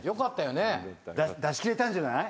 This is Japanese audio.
出し切れたんじゃない？